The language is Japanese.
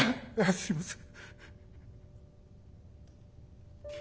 すいません。